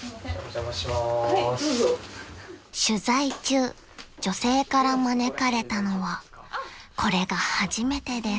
［取材中女性から招かれたのはこれが初めてです］